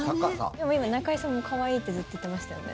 でも今、中居さんも可愛いってずっと言ってましたよね。